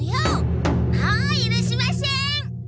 もうゆるしません！